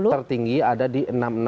tertinggi ada di enam enam ratus sepuluh